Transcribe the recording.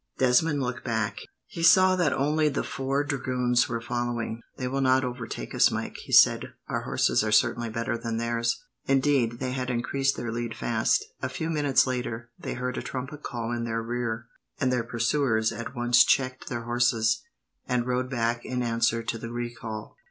Desmond looked back. He saw that only the four dragoons were following. "They will not overtake us, Mike," he said, "our horses are certainly better than theirs." Indeed, they had increased their lead fast. A few minutes later, they heard a trumpet call in their rear, and their pursuers at once checked their horses, and rode back in answer to the recall.